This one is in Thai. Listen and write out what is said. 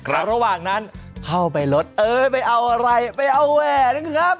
ระหว่างนั้นเข้าไปรถเอ้ยไปเอาอะไรไปเอาแหวนนะครับ